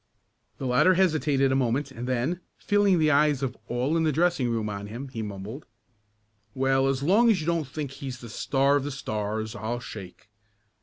The latter hesitated a moment and then, feeling the eyes of all in the dressing room on him, he mumbled: "Well, as long as you don't think he's the star of the Stars, I'll shake.